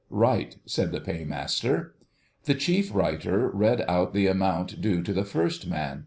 "Right," said the Paymaster. The Chief Writer read out the amount due to the first man.